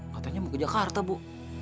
katanya mau ke jakarta bu